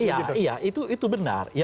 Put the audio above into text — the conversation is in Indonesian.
iya iya itu benar